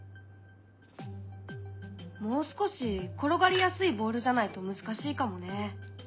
もう少し転がりやすいボールじゃないと難しいかもね。